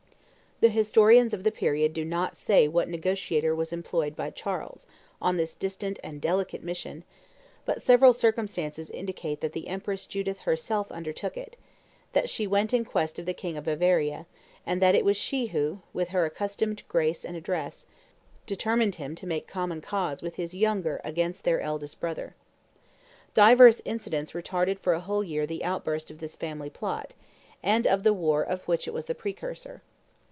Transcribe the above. The historians of the period do not say what negotiator was employed by Charles on this distant and delicate mission; but several circumstances indicate that the Empress Judith herself undertook it; that she went in quest of the king of Bavaria; and that it was she who, with her accustomed grace and address, determined him to make common cause with his younger against their eldest brother. Divers incidents retarded for a whole year the outburst of this family plot, and of the war of which it was the precursor.